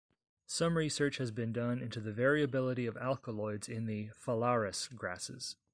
Some research has been done into the variability of alkaloids in the "Phalaris" grasses.